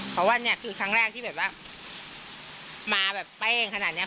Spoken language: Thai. เพราะว่าเนี่ยคือครั้งแรกที่แบบว่ามาแบบเป้งขนาดนี้